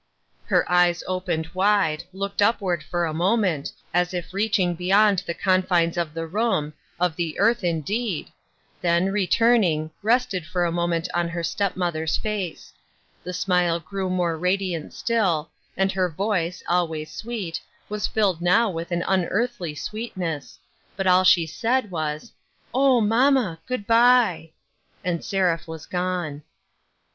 Her eyes opened wide, looked upward for a moment, as if reaching beyond the confines of the room — of the earth, indeed — then, returning, rested for a moment on her step mother's face ; the smile grew more radiant still, and her voice, always sweet, was filled now with an unearthly sweetness, but all she said was, " O, mamma ! good by !" and Seraph was gone.